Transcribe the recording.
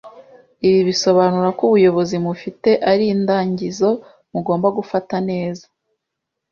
Ibi bisobanura ko ubuyobozi mufite ari indagizo mugomba gufata neza